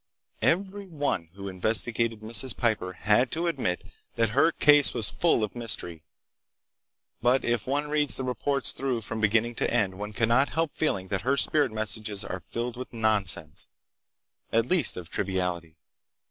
Every one who investigated Mrs. Piper had to admit that her case was full of mystery. But if one reads the reports through from beginning to end one cannot help feeling that her spirit messages are filled with nonsense, at least of triviality.